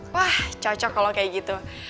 wah cocok kalau kayak gitu